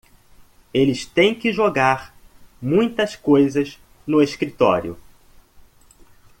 Eles têm que jogar muitas coisas no escritório